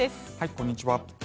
こんにちは。